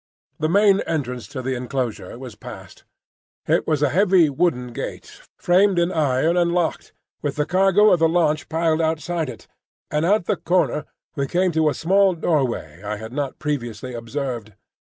The main entrance to the enclosure was passed; it was a heavy wooden gate, framed in iron and locked, with the cargo of the launch piled outside it, and at the corner we came to a small doorway I had not previously observed.